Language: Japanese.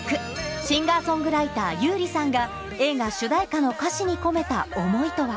シンガー・ソングライター優里さんが映画主題歌の歌詞に込めた思いとは？